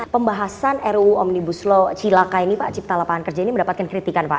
pembahasan ruu omnibus law cilaka ini pak cipta lapangan kerja ini mendapatkan kritikan pak